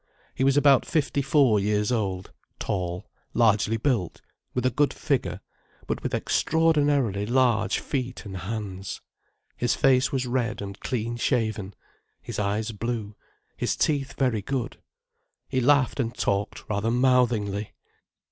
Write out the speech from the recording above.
He was about fifty four years old, tall, largely built, with a good figure, but with extraordinarily large feet and hands. His face was red and clean shaven, his eyes blue, his teeth very good. He laughed and talked rather mouthingly.